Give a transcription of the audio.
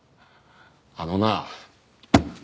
あのな。